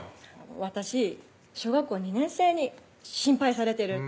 「私小学校２年生に心配されてる」